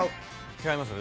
違います